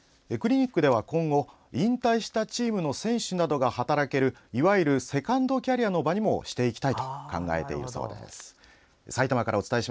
今後、引退したチームの選手などが働けるいわゆるセカンドキャリアの場にもしていきたいと考えているそうです。